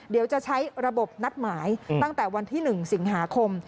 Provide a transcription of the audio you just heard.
เดี๋ยวจะใช้ระบบนัดหมายตั้งแต่วันที่๑สิงหาคม